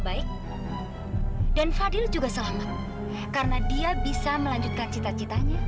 sampai jumpa di video selanjutnya